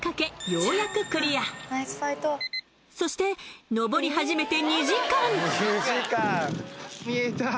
ようやくそして登り始めて２時間